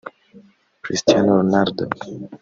Cristiano Ronaldo